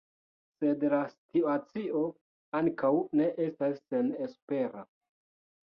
Sed la situacio ankaŭ ne estas senespera.